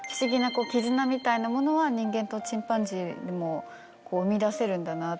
みたいなものは人間とチンパンジーでも生み出せるんだなって。